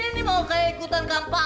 udah kayak kue ulang tahun pak